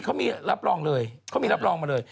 เขามีรับรองเลยเขามีรับรองมาเลย